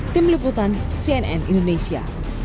tim liputan cnn indonesia